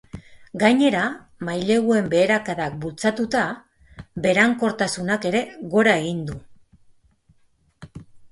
Gainera, maileguen beherakadak bultzatuta, berankortasunak ere gora egin du.